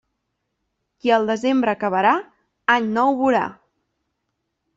Qui el desembre acabarà, any nou vorà.